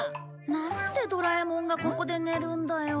なんでドラえもんがここで寝るんだよ。